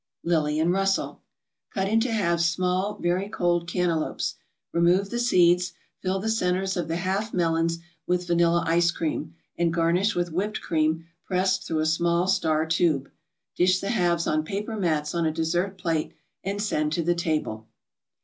LILLIAN RUSSELL Cut into halves small very cold cantaloupes. Remove the seeds; fill the centres of the half melons with vanilla ice cream, and garnish with whipped cream pressed through a small star tube. Dish the halves on paper mats on a dessert plate, and send to the table.